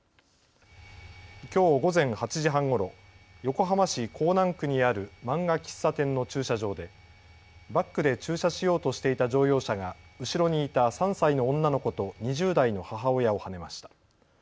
きょう午前８時半ごろ横浜市港南区にある漫画喫茶店の駐車場でバックで駐車しようとしていた乗用車が後ろにいた３歳の女の子と２０代の母親をはねました。